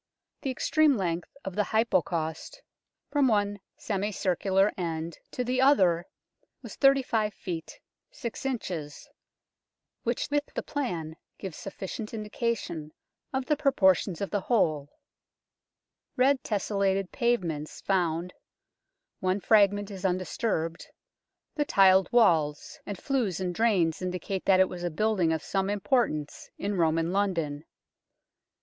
The extreme length of the Hypocaust 102 UNKNOWN r LONDON from one semi circular end to the other was 35 ft. 6 in., which with the plan gives sufficient indication of the proportions of the whole. Red tesselated pavements found one fragment is undisturbed the tiled walls, and flues and drains indicate that it was a building of some import ance in Roman London.